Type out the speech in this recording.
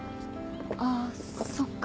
ああそっか。